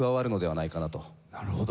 なるほど。